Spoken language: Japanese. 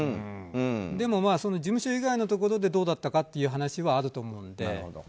でも、事務所以外のところでどうだったかという話はあると思うので。